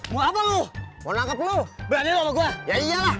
balik min udah gak usah nangis dikenal ngejar